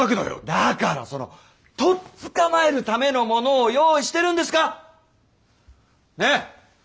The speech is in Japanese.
だからそのとっ捕まえるためのものを用意してるんですか！ね？